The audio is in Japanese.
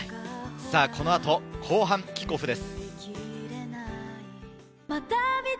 この後、後半キックオフです。